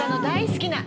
大好き！